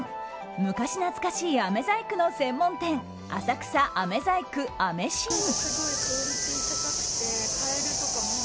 昔懐かしいあめ細工の専門店浅草飴細工アメシン。